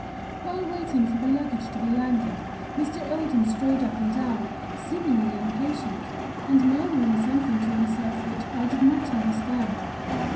While waiting for the luggage to be landed, Mr. Oldham strode up and down, seemingly impatient, and murmuring something to himself which I did not understand.